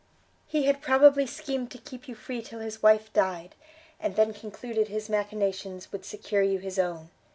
he had probably schemed to keep you free till his wife died, and then concluded his machinations would secure you his own.